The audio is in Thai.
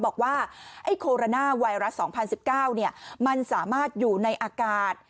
บอกว่าไอ้โคโรนาไวรัส๒๐๑๙มันสามารถอยู่ในอากาศ